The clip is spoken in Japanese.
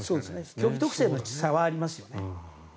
競技特性の差はありますよね。